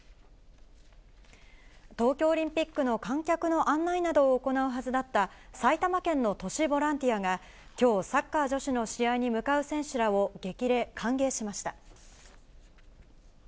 東京オリンピックの観客の案内などを行うはずだった、埼玉県の都市ボランティアが、きょう、サッカー女子の試合に向かう選手らを歓迎しました。